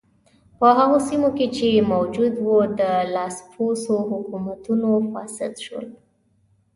په هغو سیمو کې چې موجود و د لاسپوڅو حکومتونو فاسد شول.